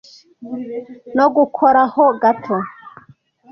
no gukoraho gato.